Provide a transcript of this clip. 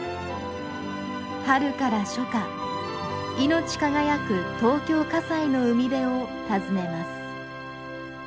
春から初夏命輝く東京西の海辺を訪ねます。